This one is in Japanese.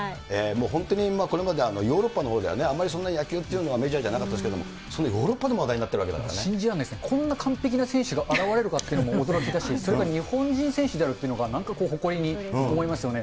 本当にこれまで、ヨーロッパのほうではあまりそんなに野球っていうのはメジャーじゃなかったですけど、そのヨーロッパでも話題になってるわけだか信じられないですね、こんな完璧な選手が現れるかっていうのも驚きだし、それが日本人選手であるっていうのが、なんか誇りに思いますよね。